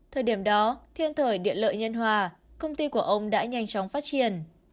thời điểm đó thiên thời địa lợi nhân hòa công ty của ông đã nhanh chóng phát triển